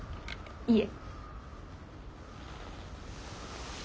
いえ。